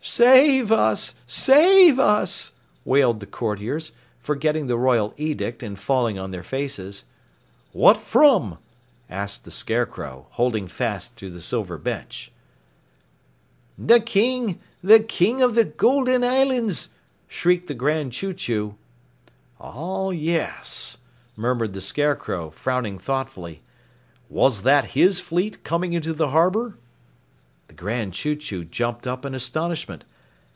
"Save us! Save us!" wailed the courtiers, forgetting the royal edict and falling on their faces. "What from?" asked the Scarecrow, holding fast to the silver bench. "The King the King of the Golden Islands!" shrieked the Grand Chew Chew. "Ah yes!" murmured the Scarecrow, frowning thoughtfully. "Was that his fleet coming into the harbor?" The Grand Chew Chew jumped up in astonishment.